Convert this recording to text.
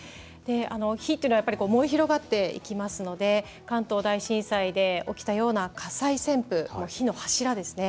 火は燃え広がっていきますので関東大震災で起きたような火災旋風、火の柱ですね